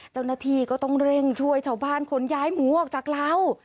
เจ้าหน้าที่ก็ต้องเร่งช่วยชาวบ้านขนย้ายหมูออกจากเหล้า